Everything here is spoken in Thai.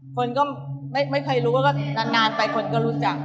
คนก็ไม่เคยรู้ว่าก็นานไปคนก็รู้จัก